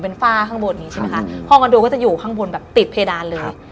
เป็นฝ้าข้างบนนี้ใช่ไหมคะห้องคอนโดก็จะอยู่ข้างบนแบบติดเพดานเลย